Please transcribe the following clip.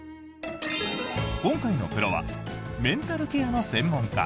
今回のプロはメンタルケアの専門家